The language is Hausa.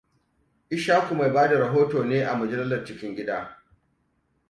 Ishaku mai bada rahoto ne a mujallar cikin gida.